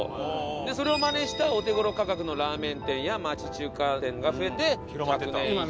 それをマネしたお手頃価格のラーメン店や町中華店が増えて１００年以上。